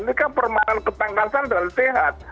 ini kan permainan ketangkasan dan sehat